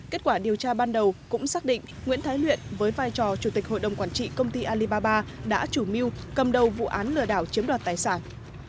kết quả điều tra ban đầu cũng xác định nguyễn thái luyện với vai trò chủ tịch hội đồng quản trị công ty alibaba đã chủ mưu cầm đầu vụ án lừa đảo chiếm đoạt tài sản